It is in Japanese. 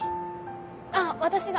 あっ私が。